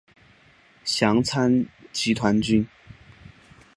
详参集团军。